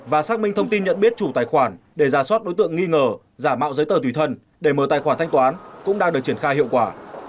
và xác minh thông tin nhận biết chủ tài khoản để giả soát đối tượng nghi ngờ giả mạo giấy tờ tùy thân để mở tài khoản thanh toán cũng đang được triển khai hiệu quả